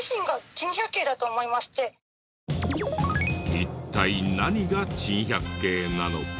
一体何が珍百景なのか？